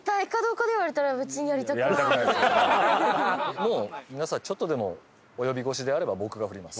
もう皆さんちょっとでも及び腰であれば僕が振ります。